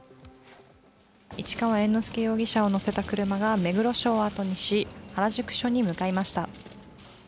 市川猿之助容疑者を乗せた車が目黒署をあとにし原宿署に向かいました。